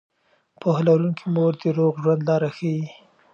پوهه لرونکې مور د روغ ژوند لاره ښيي.